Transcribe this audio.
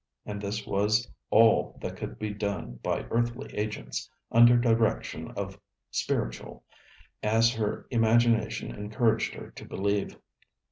And this was all that could be done by earthly agents, under direction of spiritual, as her imagination encouraged her to believe.